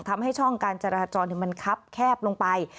ทำให้ช่องการจราจรมันคับแคบลงไป